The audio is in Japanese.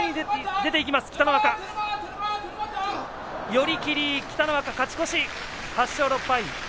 寄り切り北の若、勝ち越し８勝６敗。